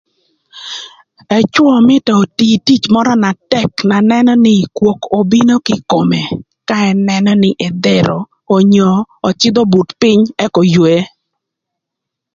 Ëcwö mïtö otii tic mörö na tëk na nënö nï, kwok obino kï ï kome, ka ën nënö nï edhero onyo öcïdh obut pïny ëk oywe.